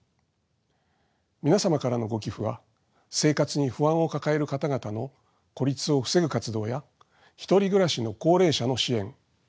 皆様からのご寄付は生活に不安を抱える方々の孤立を防ぐ活動やひとり暮らしの高齢者の支援。